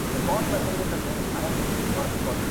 د دوو ارزښتونو ترمنځ داسي تقابل دی